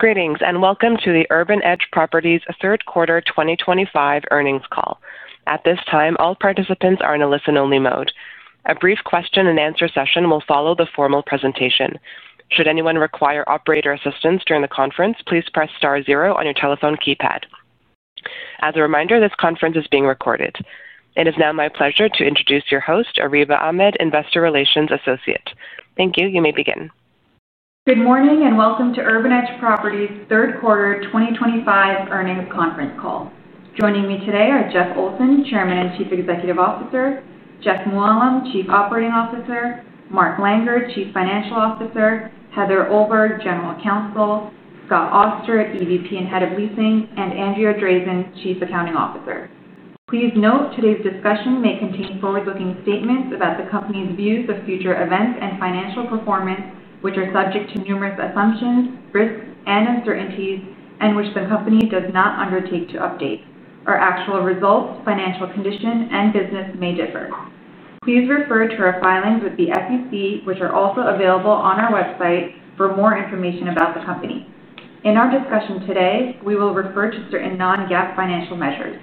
Greetings and welcome to the Urban Edge Properties third quarter 2025 earnings call. At this time all participants are in a listen-only mode. A brief question and answer session will follow the formal presentation. Should anyone require operator assistance during the conference, please press star zero on your telephone keypad. As a reminder, this conference is being recorded. It is now my pleasure to introduce your host, Areeba Ahmed, Investor Relations Associate. Thank you. You may begin. Good morning and welcome to Urban Edge Properties third quarter 2025 earnings conference call. Joining me today are Jeff Olson, Chairman and Chief Executive Officer; Jeff Mooallem, Chief Operating Officer; Mark Langer, Chief Financial Officer; Heather Ohlberg, General Counsel; Scott Auster, EVP and Head of Leasing; and Andrea Drazin, Chief Accounting Officer. Please note, today's discussion may contain forward-looking statements about the company's views of future events and financial performance, which are subject to numerous assumptions, risks, and uncertainties, and which the company does not undertake to update. Our actual results, financial condition, and business may differ. Please refer to our filings with the SEC, which are also available on our website, for more information about the company. In our discussion today, we will refer to certain non-GAAP financial measures.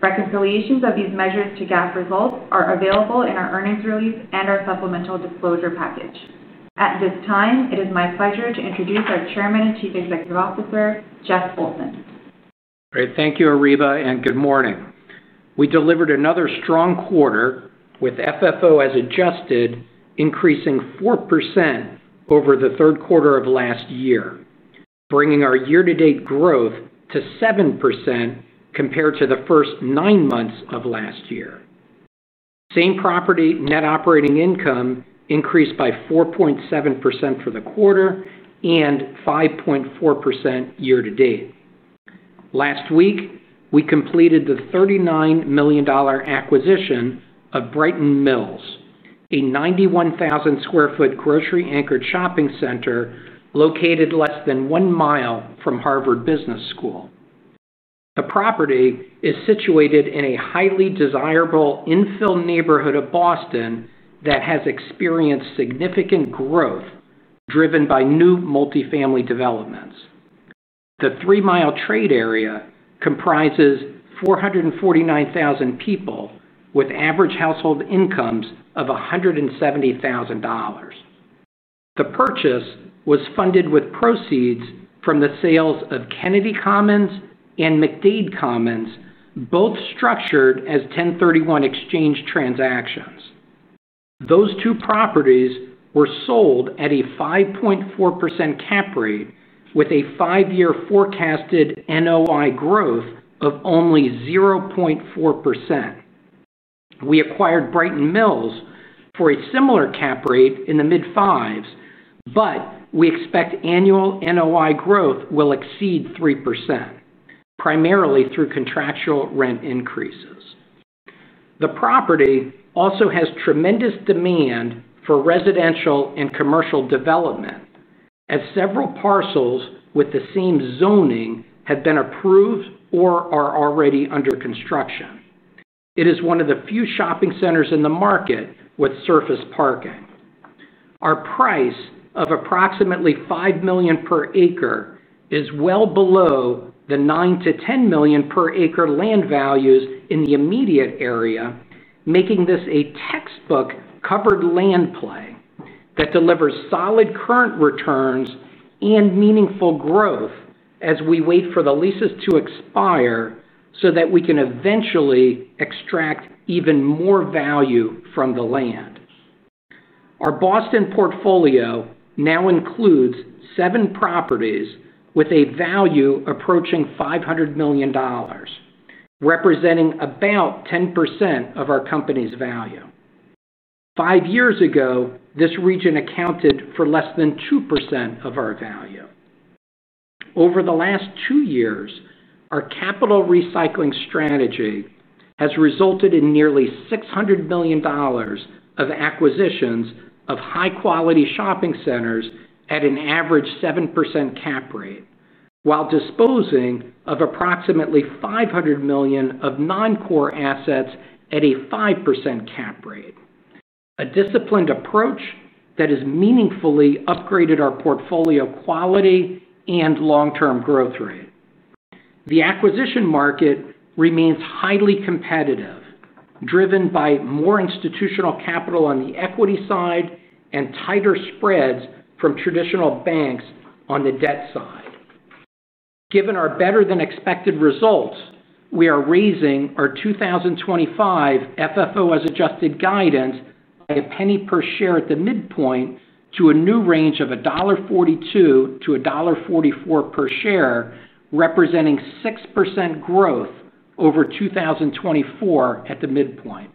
Reconciliations of these measures to GAAP results are available in our earnings release and our supplemental disclosure package. At this time, it is my pleasure to introduce our Chairman and Chief Executive Officer, Jeff Olson. Great. Thank you, Areeba, and good morning. We delivered another strong quarter with FFO as adjusted increasing 4% over the third quarter of last year, bringing our year-to-date growth to 7% compared to the first nine months of last year. Same property net operating income increased by 4.7% for the quarter and 5.4% year to date. Last week, we completed the $39 million acquisition of Brighton Mills, a 91,000 sq ft grocery-anchored shopping center located less than one mile from Harvard Business School. The property is situated in a highly desirable infill neighborhood of Boston that has experienced significant growth driven by new multifamily developments. The 3-mi trade area comprises 449,000 people with average household incomes of $170,000. The purchase was funded with proceeds from the sales of Kennedy Commons and MacDade Commons, both structured as 1031 exchange transactions. Those two properties were sold at a 5.4% cap rate with a five-year forecasted NOI growth of only 0.4%. We acquired Brighton Mills for a similar cap rate in the mid 5s, but we expect annual NOI growth will exceed 3% primarily through contractual rent increases. The property also has tremendous demand for residential and commercial development as several parcels with the same zoning have been approved or are already under construction. It is one of the few shopping centers in the market with surface parking. Our price of approximately $5 million per acre is well below the $9 million-$10 million per acre land values in the immediate area, making this a textbook covered land play that delivers solid current returns and meaningful growth as we wait for the leases to expire so that we can eventually extract even more value from the land. Our Boston portfolio now includes seven properties with a value approaching $500 million, representing about 10% of our company's value. Five years ago, this region accounted for less than 2% of our value. Over the last two years, our capital recycling strategy has resulted in nearly $600 million of acquisitions of high-quality shopping centers at an average 7% cap rate while disposing of approximately $500 million of non-core assets at a 5% cap rate. A disciplined approach that has meaningfully upgraded our portfolio quality and long-term growth rate. The acquisition market remains highly competitive, driven by more institutional capital on the equity side and tighter spreads from traditional banks on the debt side. Given our better than expected results, we are raising our 2025 FFO as adjusted guidance by a penny per share at the midpoint to a new range of $1.42-$1.44 per share, representing 6% growth over 2024 at the midpoint.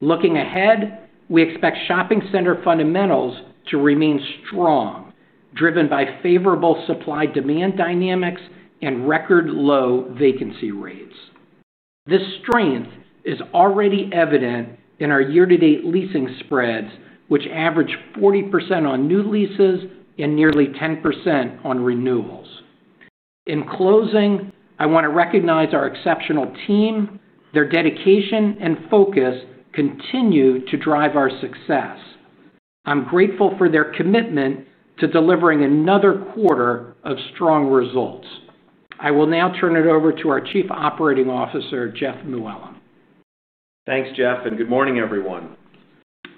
Looking ahead, we expect shopping center fundamentals to remain strong, driven by favorable supply demand dynamics and record low vacancy rates. This strength is already evident in our year to date leasing spreads, which average 40% on new leases and nearly 10% on renewals. In closing, I want to recognize our exceptional team. Their dedication and focus continue to drive our success. I'm grateful for their commitment to delivering another quarter of strong results. I will now turn it over to our Chief Operating Officer, Jeff Mooallem. Thanks Jeff and good morning everyone.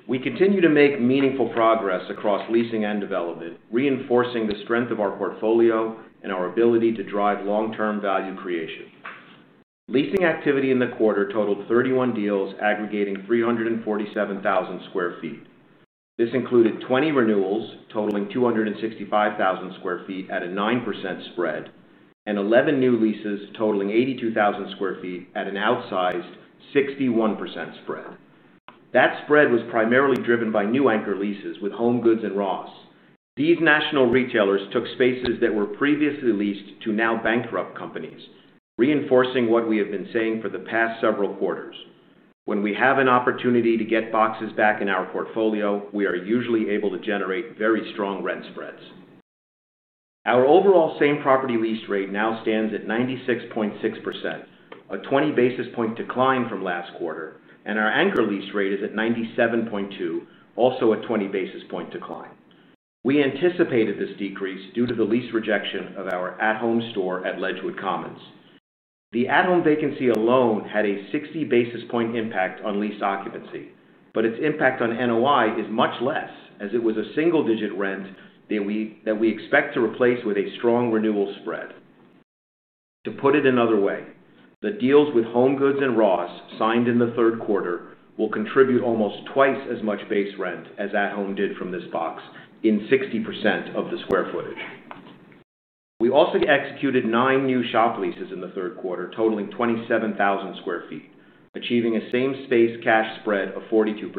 We continue to make meaningful progress across leasing and development, reinforcing the strength of our portfolio and our ability to drive long term value creation. Leasing activity in the quarter totaled 31 deals aggregating 347,000 sq ft. This included 20 renewals totaling 265,000 sq ft at a 9% spread and 11 new leases totaling 82,000 sq ft at an outsized 61% spread. That spread was primarily driven by new anchor leases with HomeGoods and Ross. These national retailers took spaces that were previously leased to now bankrupt companies, reinforcing what we have been saying for the past several quarters. When we have an opportunity to get boxes back in our portfolio, we are usually able to generate very strong rent spreads. Our overall same property lease rate now stands at 96.6%, a 20 basis point decline from last quarter, and our anchor lease rate is at 97.2%, also a 20 basis point decline. We anticipated this decrease due to the lease rejection of our At Home store at Ledgewood Commons. The At Home vacancy alone had a 60 basis point impact on leased occupancy, but its impact on NOI is much less as it was a single digit rent that we expect to replace with a strong renewal spread. To put it another way, the deals with HomeGoods and Ross signed in the third quarter will contribute almost twice as much base rent as At Home did from this box in 60% of the sq ftage. We also executed nine new shop leases in the third quarter totaling 27,000 sq ft, achieving a same space cash spread of 42%.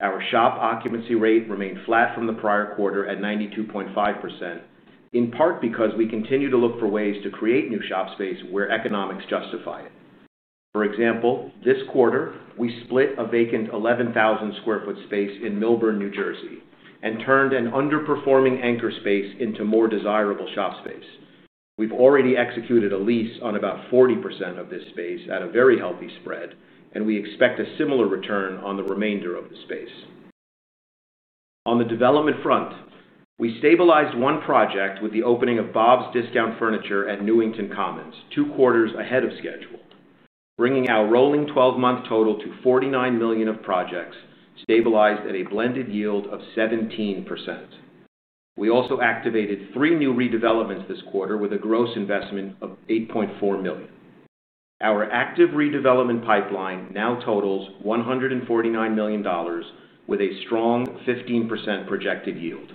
Our shop occupancy rate remained flat from the prior quarter at 92.5%, in part because we continue to look for ways to create new shop space where economics justify it. For example, this quarter we split a vacant 11,000 sq ft space in Millburn, New Jersey and turned an underperforming anchor space into more desirable shop space. We've already executed a lease on about 40% of this space at a very healthy spread and we expect a similar return on the remainder of the space. On the development front, we stabilized one project with the opening of Bob's Discount Furniture at Newington Commons 2/4 ahead of schedule, bringing our rolling 12 month total to $49 million of projects stabilized at a blended yield of 17%. We also activated three new redevelopments this quarter with a gross investment of $8.4 million. Our active redevelopment pipeline now totals $149 million with a strong 15% projected yield.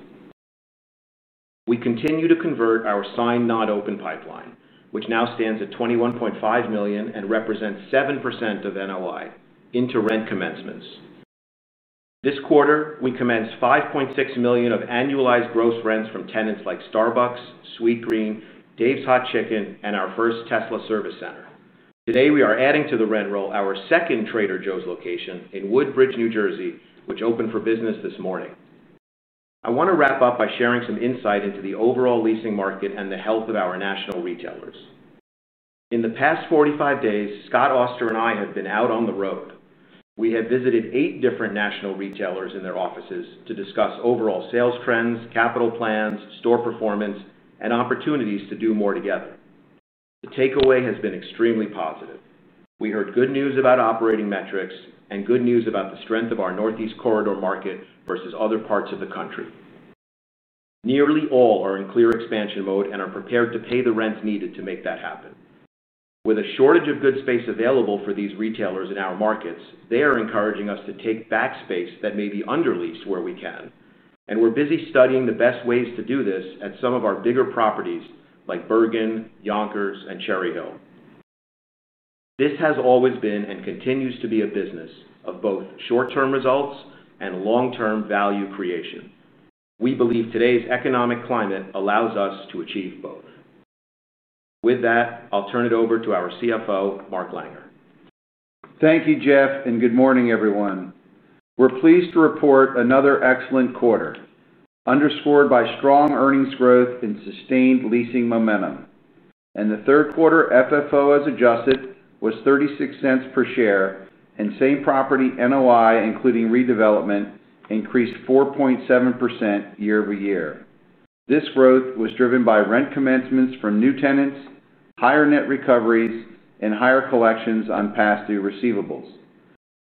We continue to convert our signed-not-open pipeline, which now stands at $21.5 million and represents 7% of NOI, into rent commencements. This quarter we commenced $5.6 million of annualized gross rents from tenants like Starbucks, Sweetgreen, Dave's Hot Chicken, and our first Tesla service center. Today we are adding to the rent roll our second Trader Joe's location in Woodbridge, New Jersey, which opened for business this morning. I want to wrap up by sharing some insight into the overall leasing market and the health of our national retailers. In the past 45 days, Scott Auster and I have been out on the road. We have visited eight different national retailers in their offices to discuss overall sales trends, capital plans, store performance, and opportunities to do more together. The takeaway has been extremely positive. We heard good news about operating metrics and good news about the strength of our Northeast Corridor market versus other parts of the country. Nearly all are in clear expansion mode and are prepared to pay the rents needed to make that happen. With a shortage of good space available for these retailers in our markets, they are encouraging us to take back space that may be under-leased where we can, and we're busy studying the best ways to do this at some of our bigger properties like Bergen, Yonkers, and Cherry Hill. This has always been and continues to be a business of both short-term results and long-term value creation. We believe today's economic climate allows us to achieve both. With that, I'll turn it over to our CFO, Mark Langer. Thank you Jeff and good morning everyone. We're pleased to report another excellent quarter, underscored by strong earnings growth and sustained leasing momentum. In the third quarter, FFO as adjusted was $0.36 per share, and same property NOI including redevelopment increased 4.7% year-over-year. This growth was driven by rent commencements from new tenants, higher net recoveries, and higher collections on past due receivables.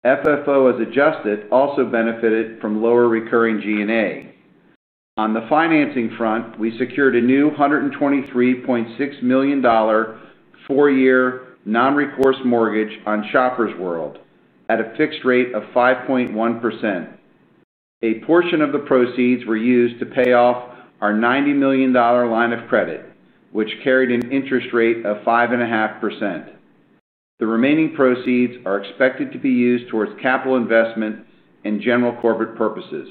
FFO as adjusted also benefited from lower recurring G&A. On the financing front, we secured a new $123.6 million four-year non-recourse mortgage on Shoppers World at a fixed rate of 5.1%. A portion of the proceeds was used to pay off our $90 million line of credit, which carried an interest rate of 5.5%. The remaining proceeds are expected to be used towards capital investment and general corporate purposes.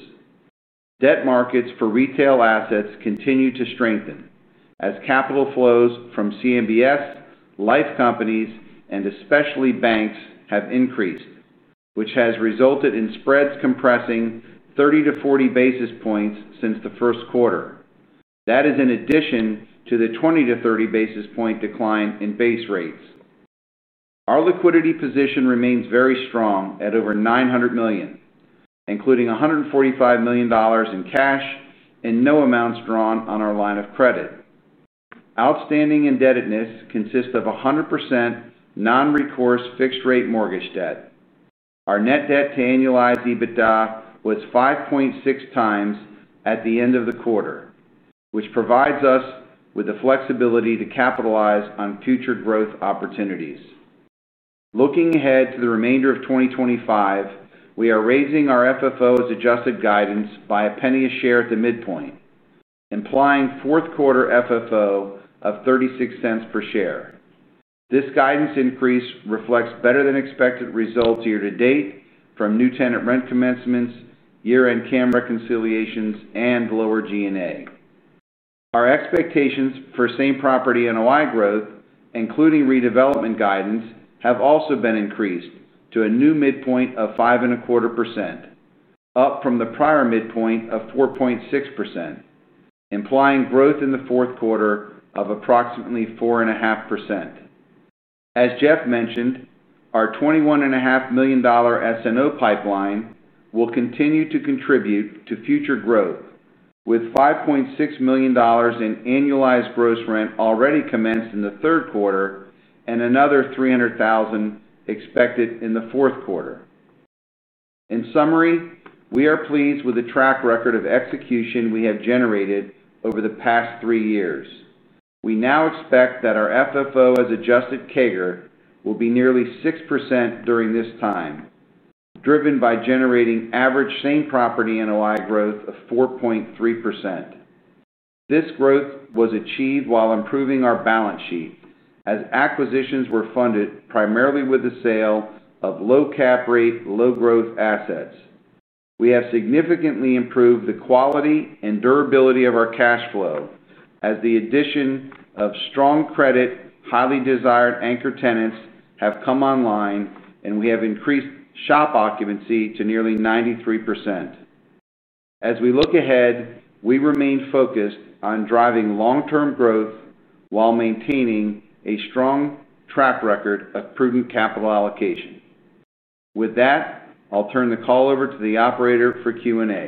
Debt markets for retail assets continue to strengthen as capital flows from CMBS, life companies, and especially banks have increased, which has resulted in spreads compressing 30-40 basis points since the first quarter. That is in addition to the 20-30 basis point decline in base rates. Our liquidity position remains very strong at over $900 million, including $145 million in cash and no amounts drawn on our line of credit. Outstanding indebtedness consists of 100% non-recourse fixed rate mortgage debt. Our net debt to annualized EBITDA was 5.6x at the end of the quarter, which provides us with the flexibility to capitalize on future growth opportunities. Looking ahead to the remainder of 2025, we are raising our FFO as adjusted guidance by a penny a share at the midpoint, implying fourth quarter FFO of $0.36 per share. This guidance increase reflects better than expected results year to date from new tenant rent commencements, year-end CAM reconciliations, and lower G&A. Our expectations for same property NOI growth, including redevelopment guidance, have also been increased to a new midpoint of 5.25%, up from the prior midpoint of 4.6%, implying growth in the fourth quarter of approximately 4.5%. As Jeff mentioned, our $21.5 million S&O pipeline will continue to contribute to future growth, with $5.6 million in annualized gross rent already commenced in the third quarter and another $300,000 expected in the fourth quarter. In summary, we are pleased with the track record of execution we have generated over the past three years. We now expect that our FFO as adjusted CAGR will be nearly 6% during this time, driven by generating average same property NOI growth of 4.3%. This growth was achieved while improving our balance sheet as acquisitions were funded primarily with the sale of low cap rate low growth assets. We have significantly improved the quality and durability of our cash flow as the addition of strong credit, highly desired anchor tenants have come online and we have increased shop occupancy to nearly 93%. As we look ahead, we remain focused on driving long term growth while maintaining a strong track record of prudent capital allocation. With that, I'll turn the call over to the operator for Q and A.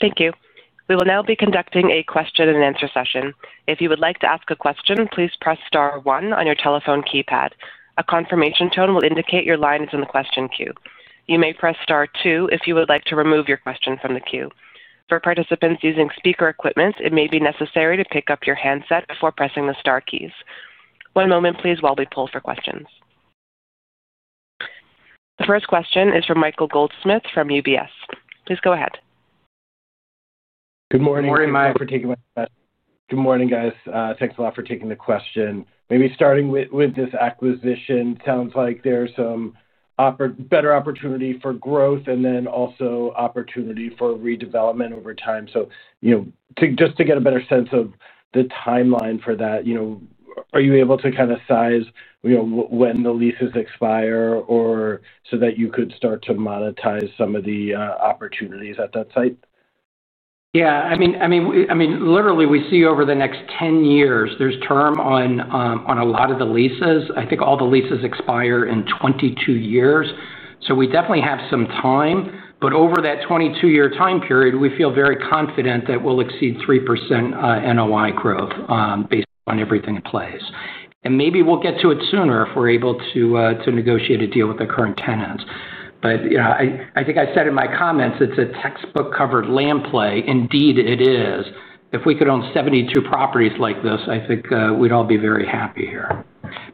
Thank you. We will now be conducting a question and answer session. If you would like to ask a question, please press star one on your telephone keypad. A confirmation tone will indicate your line is in the question queue. You may press star two if you would like to remove your question from the queue. For participants using speaker equipment, it may be necessary to pick up your handset before pressing the star keys. One moment please while we poll for questions. The first question is from Michael Goldsmith from UBS. Please go ahead. Good morning, Michael. Good morning, guys. Thanks a lot for taking the question. Maybe starting with this acquisition sounds like there's some better opportunity for growth and is also opportunity for redevelopment over time. You know, just to get a better sense of the timeline for that. Are you able to kind of size when the leases expire so that you could start to monetize some of the opportunities at that site? Yeah, literally we see over the next 10 years there's term on a lot of the leases. I think all the leases expire in 22 years, so we definitely have some time. Over that 22 year time period we feel very confident that we'll exceed 3% NOI growth based on everything in place. Maybe we'll get to it sooner if we're able to negotiate a deal with the current tenant. I think I said in my comments, it's a textbook covered land play. Indeed it is. If we could own 72 properties like this, I think we'd all be very happy here.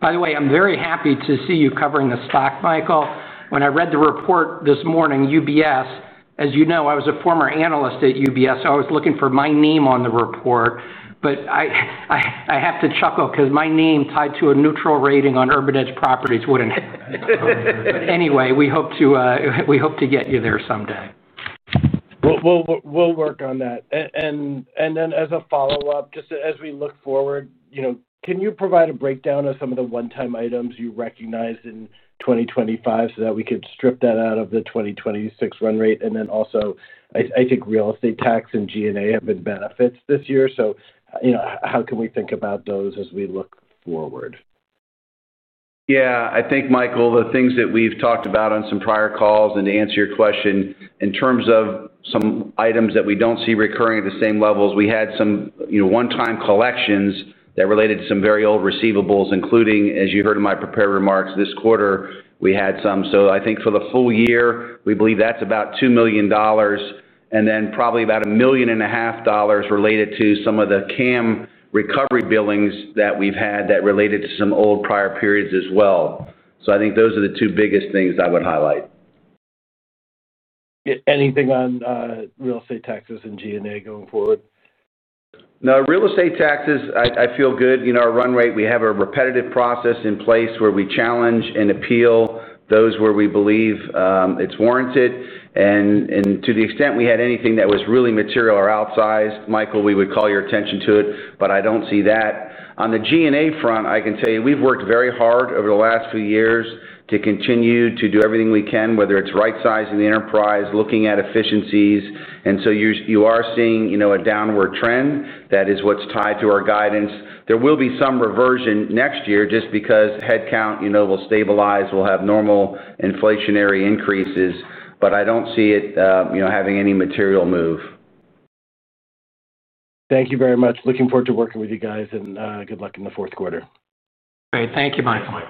By the way, I'm very happy to see you covering the stock. Michael, when I read the report this morning, UBS. As you know, I was a former analyst at UBS so I was looking for my name on the report. I have to chuckle because my name tied to a neutral rating on Urban Edge Properties wouldn't happen. Anyway, we hope to get you there someday. We'll work on that. As a follow up, just as we look forward, can you provide a breakdown of some of the one-time items you recognize in 2025 so that we could strip that out of the 2026 run rate? I think real estate tax and G&A have been benefits this year. How can we think about those as we look forward? Yeah, I think, Michael, the things that we've talked about on some prior calls, and to answer your question in terms of some items that we don't see recurring at the same levels, we had some one-time collections that related to some very old receivables, including, as you heard in my prepared remarks this quarter, we had some. I think for the full year we believe that's about $2 million, and then probably about $1.5 million related to some of the CAM recovery billings that we've had that related to some old prior periods as well. I think those are the two biggest things I would highlight. Anything on real estate taxes and G&A going forward? No real estate taxes. I feel good. You know, our run rate, we have a repetitive process in place where we challenge and appeal those where we believe it's warranted. To the extent we had anything that was really material or outsized, Michael, we would call your attention to it. I don't see that on the G&A front. I can tell you we've worked very hard over the last few years to continue to do everything we can, whether it's right sizing the enterprise, looking at efficiencies. You are seeing a downward trend. That is what's tied to our guidance. There will be some reversion next year just because headcount will stabilize. We'll have normal inflationary increases. I don't see it having any material move. Thank you very much. Looking forward to working with you guys, and good luck in the fourth quarter. Great. Thank you, Michael.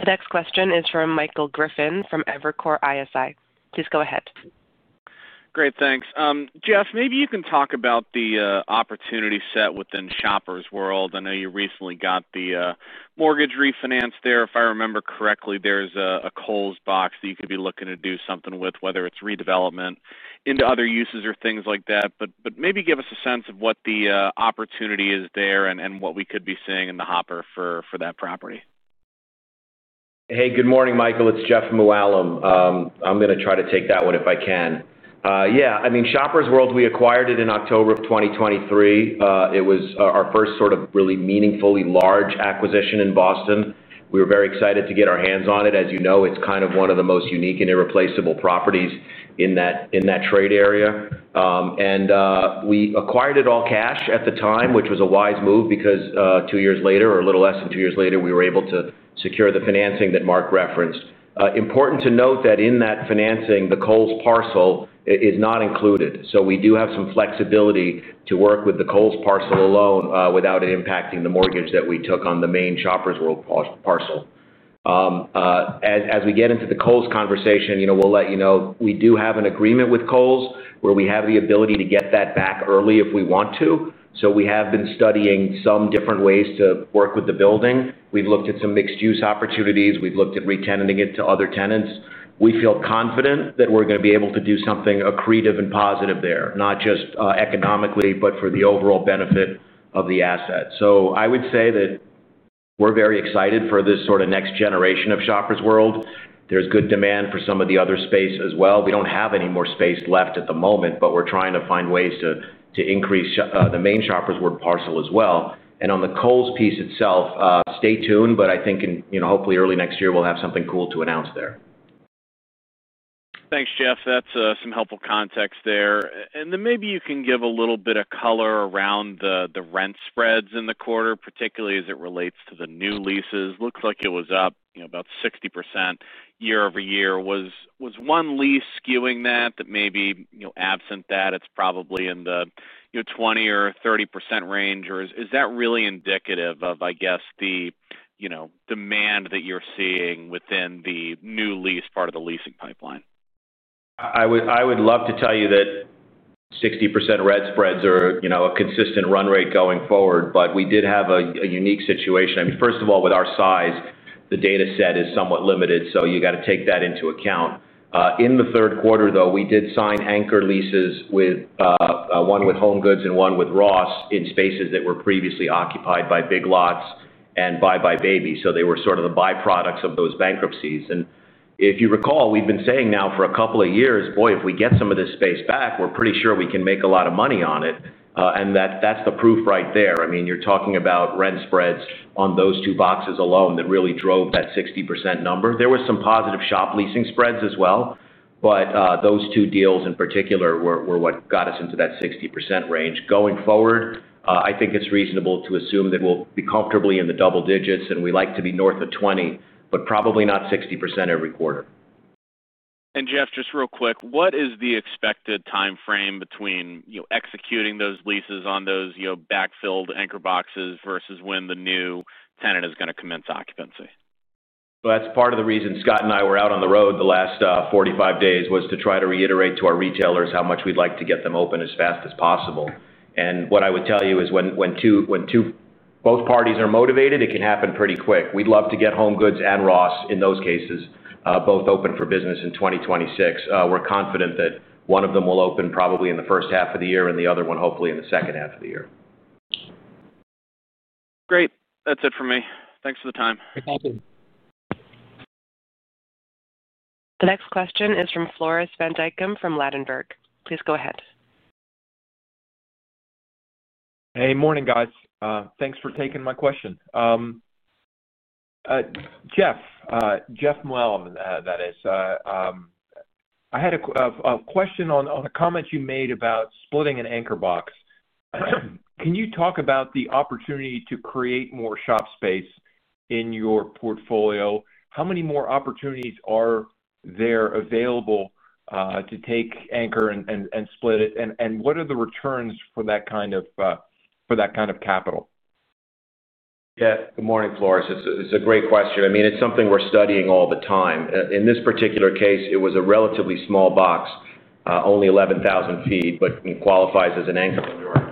The next question is from Michael Griffin from Evercore ISI. Please, go ahead. Great. Thanks, Jeff. Maybe you can talk about the opportunity set within Shoppers World. I know you recently got the mortgage refinance there. If I remember correctly, Kohl's box that you could be looking to do something with, whether it's redevelopment into other uses or things like that, but maybe give us a sense of what the opportunity is there and what we could be seeing in the hopper for that property. Hey, good morning, Michael. It's Jeff Mooallem. I'm going to try to take that one if I can. Yeah, I mean, Shoppers World, we acquired it in October of 2023. It was our first sort of really meaningfully large acquisition in Boston. We were very excited to get our hands on it. As you know, it's kind of one of the most unique and irreplaceable properties in that trade area. We acquired it all cash at the time, which was a wise move because two years later, or a little less than two years later, we were able to secure the financing that Mark referenced. Important to note that in that financing the Kohl's parcel is not included. We do have some flexibility to work with the Kohl's parcel alone without it impacting the mortgage that we took on the main Shoppers World parcel. As we get into the Kohl's conversation, you know, we'll let you know we do have an agreement with Kohl's where we have the ability to get that back early if we want to. We have been studying some different ways to work with the building. We've looked at some mixed use opportunities. We've looked at retenanting it to other tenants. We feel confident that we're going to be able to do something accretive and positive there, not just economically, but for the overall benefit, the asset. I would say that we're very excited for this sort of next generation of Shoppers World. There's good demand for some of the other space as well. We don't have any more space left at the moment, but we're trying to find ways to increase the main Shoppers World parcel as well. On the Kohl's piece itself, stay tuned. I think hopefully early next year we'll have something cool to announce there. Thanks, Jeff. That's some helpful context there. Maybe you can give a little bit of color around the rent spreads in the quarter, particularly as it relates to the new leases. Looks like it was up about 60% year-over-year. Was one lease skewing that? Maybe absent that, it's probably in the 20% or 30% range, or is that really indicative of, I guess, the demand that you're seeing within the new lease part of the leasing pipeline? I would love to tell you that 60% rent spreads are a consistent run rate going forward, but we did have a unique situation. First of all, with our software, the data set is somewhat limited, so you got to take that into account. In the third quarter, though, we did sign anchor leases with one with HomeGoods and one with Ross in spaces that were previously occupied by Big Lots and buybuy BABY. They were sort of the byproducts of those bankruptcies. If you recall, we've been saying now for a couple of years, boy, if we get some of this space back, we're pretty sure we can make a lot of money on it. That's the proof right there. I mean, you're talking about rent spreads on those two boxes alone that really drove that 60% number. There was some positive shop leasing spreads as well, but those two deals in particular were what got us into that 60% range. Going forward, I think it's reasonable to assume that we'll be comfortably in the double digits, and we like to be north of 20%, but probably not 60% every quarter. Jeff, just real quick, what is the expected time frame between executing those leases on those backfilled anchor boxes versus when the new tenant is going to commence occupancy? That's part of the reason Scott and I were out on the road the last 45 days was to try to reiterate to our retailers how much we'd like to get them open as fast as possible. What I would tell you is when both parties are motivated, it can happen pretty quick. We'd love to get HomeGoods and Ross in those cases, both open for business in 2026. We're confident that one of them will open probably in the first half of the year and the other one hopefully in the second half of the year. Great. That's it for me. Thanks for the time. The next question is from Floris van Dijkum from Ladenburg. Please go ahead. Hey, morning, guys. Thanks for taking my question. Jeff. Jeff Mooallem, that is, I had a question on a comment you made about splitting an anchor box. Can you talk about the opportunity to create more shop space in your portfolio? How many more opportunities are there available to take anchor and split it? What are the returns for that kind of capital? Yeah. Good morning, Floris. It's a great question. I mean, it's something we're studying all the time. In this particular case, it was a relatively small box, only 11,000 ft, but qualifies as an anchor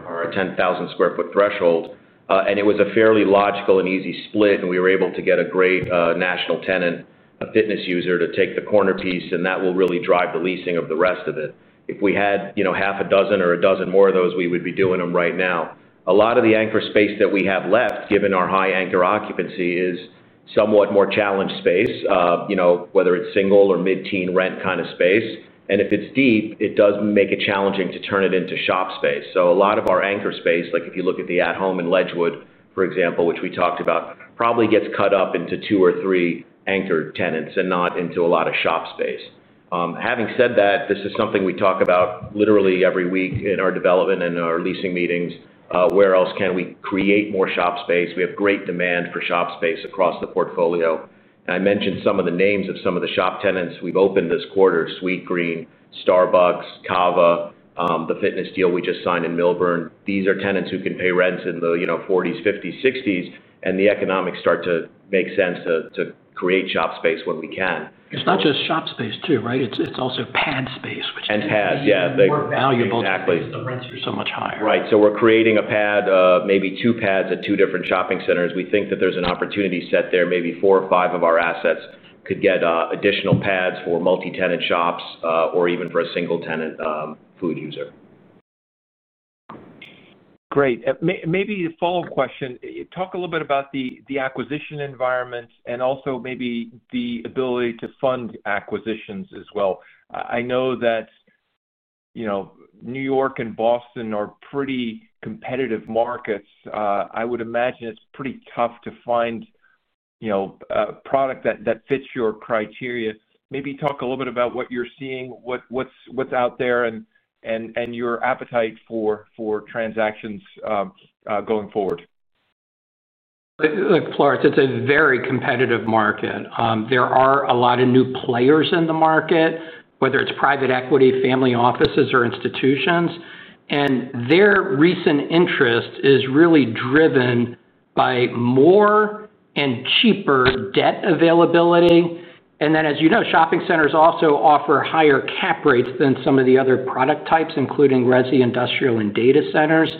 over a 10,000 sq ft threshold. It was a fairly logical and easy split. We were able to get a great national tenant fitness user to take the corner piece. That will really drive the leasing of the rest of it. If we had half a dozen or a dozen more of those, we would be doing them right now. A lot of the anchor space that we have left, given our high anchor occupancy, is somewhat more challenged space, whether it's single or mid-teen rent kind of space. If it's deep, it does make it challenging to turn it into shop space. A lot of our anchor space, like if you look at the At Home in Ledgewood, for example, which we talked about, probably gets cut up into two or three anchor tenants and not into a lot of shop space. Having said that, this is something we talk about literally every week in our development and our leasing meetings. Where else can we create more shop space? We have great demand for shop space across the portfolio. I mentioned some of the names of some of the shop tenants we've opened this quarter: Sweetgreen, Starbucks, CAVA, the fitness deal we just signed in Millburn. These are tenants who can pay rents in the $40s, $50s, $60s. The economics start to make sense to create shop space when we can. It's not just shop space, too right. It's also pad space, which. Pads are more valuable Because the rents are so much higher. Right. We're creating a pad, maybe two pads at two different shopping centers. We think that there's an opportunity set there. Maybe four or five of our assets could get additional pads for multi-tenant shops or even for a single-tenant food user. Great. Maybe a follow up question. Talk a little bit about the acquisition environment and also maybe the ability to fund acquisitions as well. I know that New York and Boston are pretty competitive markets. I would imagine it's pretty tough to find a product that fits your criteria. Maybe talk a little bit about what you're seeing what's out there and your appetite for transactions going forward. Look, Floris, it's a very competitive market. There are a lot of new players in the market, whether it's private equity, family offices, or institutions. Their recent interest is really driven by more and cheaper debt availability. As you know, shopping centers also offer higher cap rates than some of the other product types, including resi, industrial, and data centers.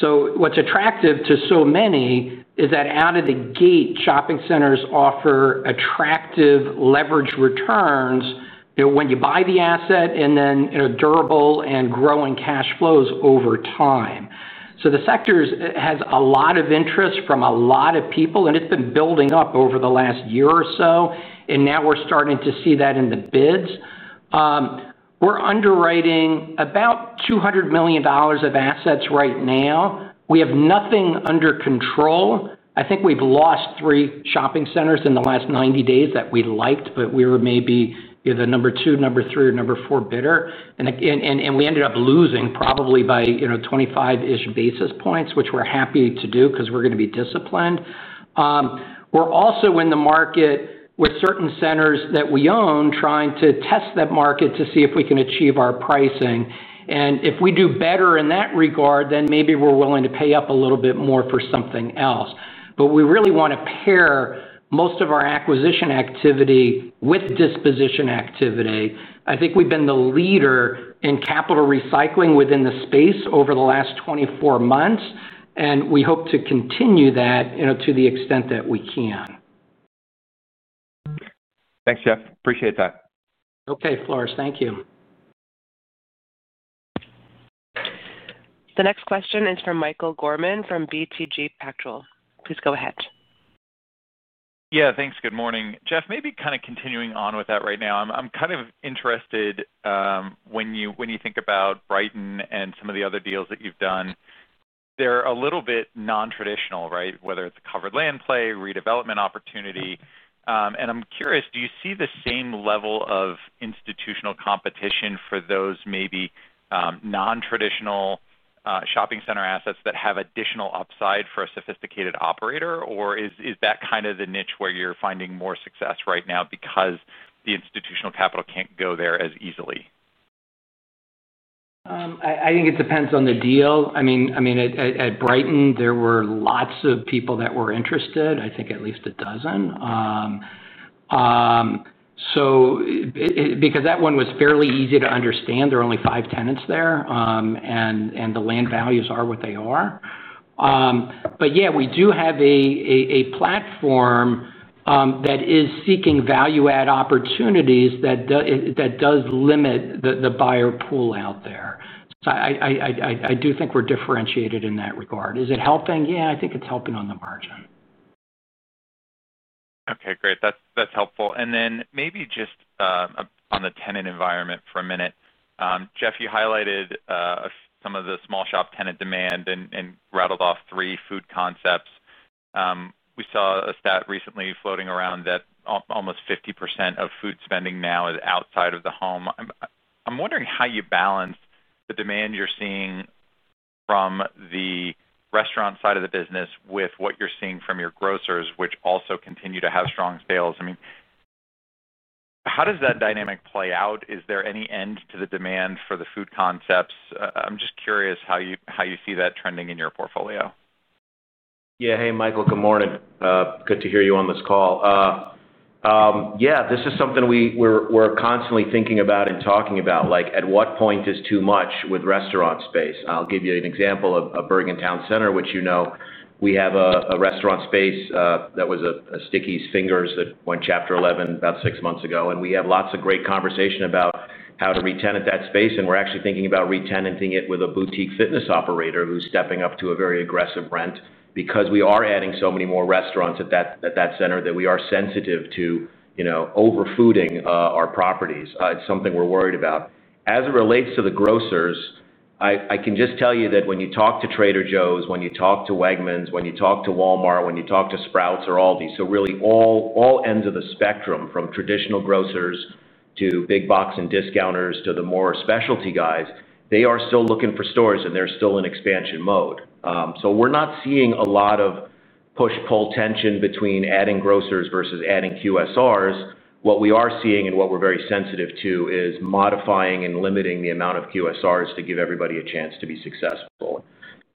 What's attractive to so many is that out of the gate shopping centers offer attractive leverage returns when you buy the asset and then durable and growing cash flows over time. The sector has a lot of interest from a lot of people. It's been building up over the last year or so. Now we're starting to see that in the bids. We're underwriting about $200 million of assets right now. We have nothing under control. I think we've lost three shopping centers in the last 90 days that we liked, but we were maybe the number two, number three, or number four bidder. We ended up losing probably by 25-ish basis points, which we're happy to do because we're going to be disciplined. We're also in the market with certain centers that we own, trying to test that market to see if we can achieve our pricing. If we do better in that regard, then maybe we're willing to pay up a little bit more for something else. We really want to pair most of our acquisition activity with disposition activity. I think we've been the leader in capital recycling within the space over the last 24 months, and we hope to continue that to the extent that we can. Thanks, Jeff. Appreciate that. Okay, Floris, thank you. The next question is from Michael Gorman from BTG Pactual. Please, go ahead. Yeah, thanks. Good morning, Jeff. Maybe kind of continuing on with that right now. I'm kind of interested. When you think about Brighton and some of the other deals that you've done, they're a little bit nontraditional, right. Whether it's a covered land play, redevelopment opportunity. I'm curious, do you see the same level of institutional competition for those maybe nontraditional shopping center assets that have additional upside for a sophisticated operator? Or is that kind of the niche where you're finding more success right now because the institutional capital can't go there as easily? I think it depends on the deal. I mean, at Brighton Mills, there were lots of people that were interested. I think at least a dozen, because that one was fairly easy to understand. There are only five tenants there and the land values are what they are. We do have a platform that is seeking value add opportunities that does limit the buyer pool out there. I do think we're differentiated in that regard. Is it helping? Yeah, I think it's helping on the margin. Okay, great, that's helpful. Maybe just on the tenant environment for a minute, Jeff, you highlighted some of the small shop tenant demand and rattled off three food concepts. We saw a stat recently floating around that almost 50% of food spending now is outside of the home. I'm wondering how you balance the demand you're seeing from the restaurant side of the business with what you're seeing from your grocers, which also continue to have strong sales. I mean, how does that dynamic play out? Is there any end to the demand for the food concepts? I'm just curious how you see that trending in your portfolio. Yeah. Hey Michael, good morning. Good to hear you on this call. This is something we're constantly thinking about and talking about. At what point is too much with restaurant space? I'll give you an example of Bergentown Center, which, you know, we have a restaurant space that was a Sticky's Fingers that went Chapter 11 about six months ago, and we have lots of great conversation about how to re-tenant that space. We're actually thinking about re-tenanting it with a boutique fitness operator who's stepping up to a very aggressive rent because we are adding so many more restaurants at that center that we are sensitive to over-fooding our properties. It's something we're worried about as it relates to the grocers. I can just tell you that when you talk to Trader Joe's, when you talk to Wegmans, when you talk to Walmart, when you talk to certain Sprouts or Aldi, really all ends of the spectrum from traditional grocers to big box and discounters to the more specialty guys, they are still looking for stores and they're still in expansion mode. We're not seeing a lot of push-pull tension between adding grocers versus adding QSRs. What we are seeing and what we're very sensitive to is modifying and limiting the amount of QSRs to give everybody a chance to be successful.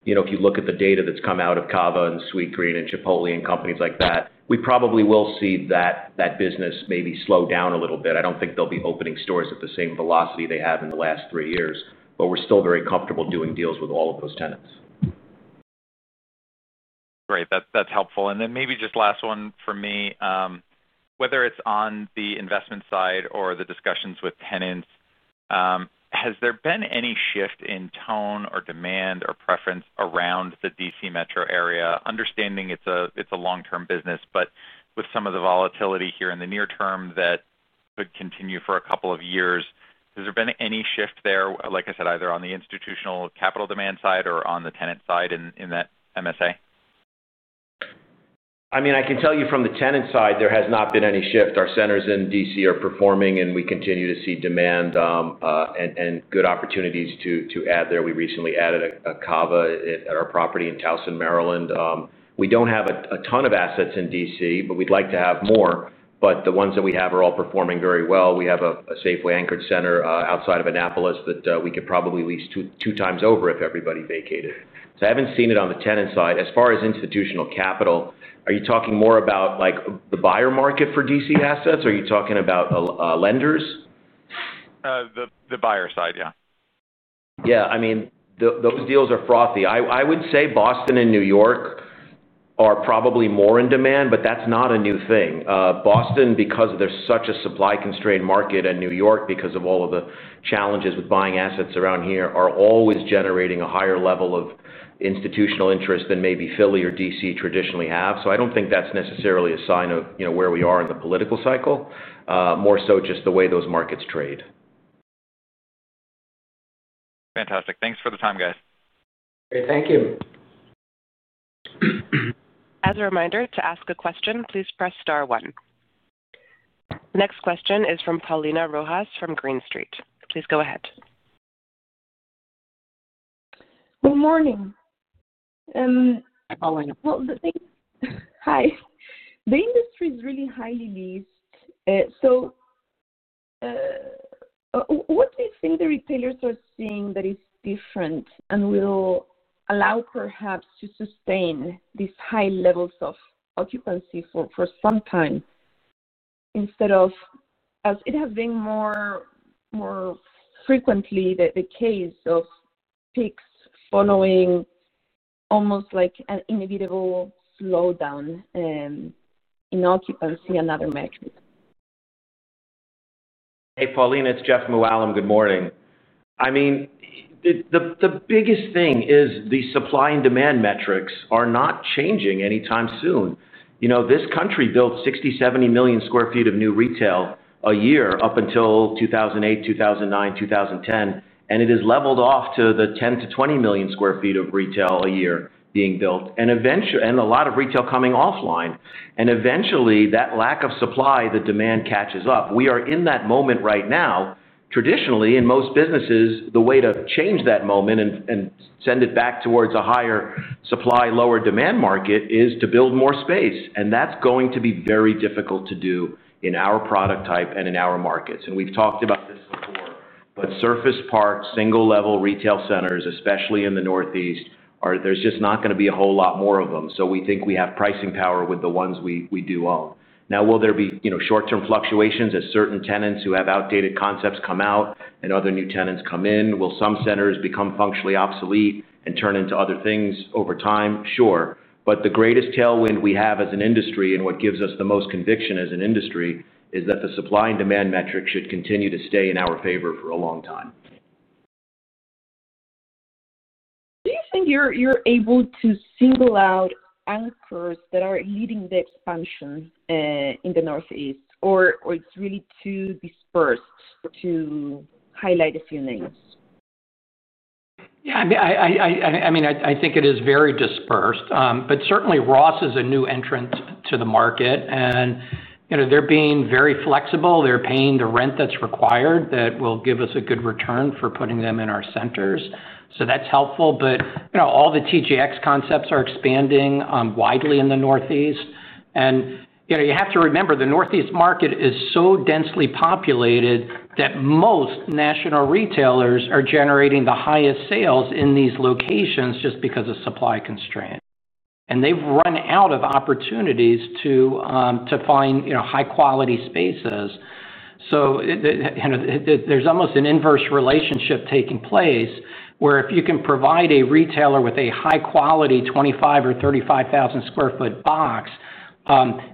If you look at the data that's come out of CAVA and Sweetgreen and Chipotle and companies like that, we probably will see that business maybe slow down a little bit. I don't think they'll be opening stores at the same velocity they have in the last three years, but we're still very comfortable doing deals with all of those tenants. Great, that's helpful. Maybe just last one for me. Whether it's on the investment side or the discussions with tenants, has there been any shift in tone or demand or preference around the D.C. metro area? Understanding it's a long term business, but with some of the volatility here in the near term, that could continue for a couple of years. Has there been any shift there, like I said, either on the institutional capital demand side or on the tenant side in that MSA? I mean, I can tell you from the tenant side, there has not been any shift. Our centers in D.C. are performing, and we continue to see demand and good opportunities to add there. We recently added a CAVA at our property in Towson, Maryland. We don't have a ton of assets in D.C., but we'd like to have more. The ones that we have are all performing very well. We have a Safeway-anchored center outside of Annapolis that we could probably lease two times over if everybody vacated. I haven't seen it on the tenant side. As far as institutional capital, are you talking more about the buyer market for D.C. assets? Are you talking about lenders? The buyer side. Yeah. Yeah, I mean, those deals are frothy. I would say Boston and New York are probably more in demand, but that's not a new thing. Boston, because there's such a supply constrained market, and New York, because of all of the challenges with buying assets around here, are always generating a higher level of institutional interest than maybe Philly or D.C. traditionally have. I don't think that's necessarily a sign of where we are in the political cycle. More so just the way those markets trade. Fantastic. Thanks for the time, guys. Thank you. As a reminder to ask a question, please press star one. Next question is from Paulina Rojas from Green Street. Please go ahead. Good morning. Hi. The industry is really highly leased. So.What do you think the retailers are seeing that is different and will allow perhaps to sustain these high levels of occupancy for some time instead of, as it has been more frequently, the case of peaks following almost like an inevitable slowdown in occupancy? Another metric. Hey, Paulina, it's Jeff Mooallem. Good morning. The biggest thing is the supply and demand metrics are not changing anytime soon. This country built 60-70 million sq ft of new retail a year up until 2008, 2009, 2010, and it has leveled off to the 10-20 million sq ft of retail a year being built and a lot of retail coming offline. Eventually that lack of supply, the demand catches up. We are in that moment right now. Traditionally, in most businesses, the way to change that moment and send it back towards a higher supply, lower demand market is to build more space. That's going to be very difficult to do in our product type and in our markets, and we've talked about this, but surface park single level retail centers, especially in the Northeast, there's just not going to be a whole lot more of them. We think we have pricing power with the ones we do own. Now, will there be short term fluctuations as certain tenants who have outdated concepts come out and other new tenants come in? Will some centers become functionally obsolete and turn into other things over time? Sure. The greatest tailwind we have as an industry, and what gives us the most conviction as an industry, is that the supply and demand metric should continue to stay in our favor for a long time. Do you think you're able to single out anchors that are leading the expansion in the Northeast, or it's really too dispersed to highlight a few names? Yeah, I mean, I think it is very dispersed, but certainly Ross is a new entrant to the market. You know, they're being very flexible. They're paying the rent that's required. That will give us a good return for putting them in our centers. That's helpful. You know, all the TJX concepts are expanding widely in the northeast. You have to remember the northeast market is so densely populated that most national retailers are generating the highest sales in these locations just because of supply constraint and they've run out of opportunities to find high quality spaces. There's almost an inverse relationship taking place where if you can provide a retailer with a high quality 25,000 sq ft or 35,000 sq ft box,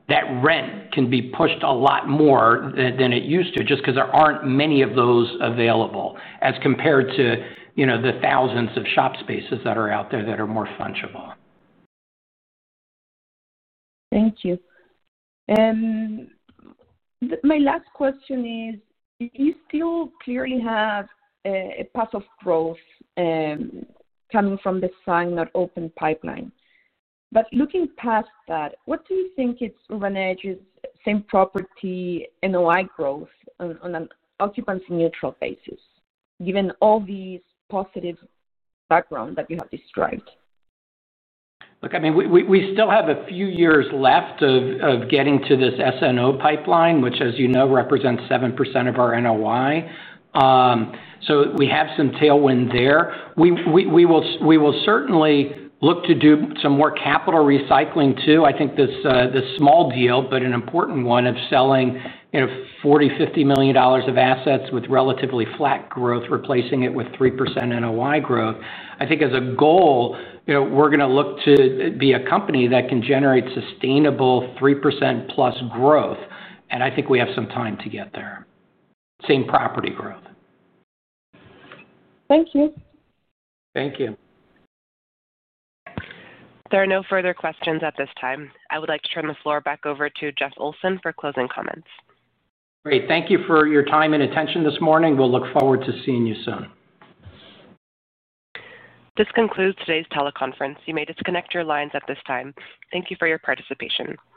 that rent can be pushed a lot more than it used to just because there aren't many of those available as compared to the thousands of shop spaces that are out there that are more fungible. Thank you. My last question is you still clearly have a path of growth coming from the signed-not-open pipeline, but looking past that, what do you think is Urban Edge Properties' same property NOI growth on an occupancy neutral basis, given all these positive background that you have described. Look, I mean we still have a few years left of getting to this SNO pipeline, which as you know, represents 7% of our NOI. We have some tailwind there. We will certainly look to do some more capital recycling too. I think this is a small deal, but an important, important one of selling $40 million, $50 million of assets with relatively flat growth, replacing it with 3% NOI growth. I think as a goal, we're going to look to be a company that can generate sustainable 3%+ growth. I think we have some time to get there. Same property growth. Thank you. Thank you. There are no further questions at this time. I would like to turn the floor back over to Jeff Olson for closing comments. Great. Thank you for your time and attention this morning. We look forward to seeing you soon. This concludes today's teleconference. You may disconnect your lines at this time. Thank you for your participation.